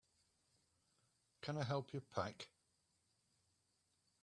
Can I help you pack?